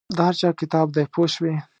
د هر چا کتاب دی پوه شوې!.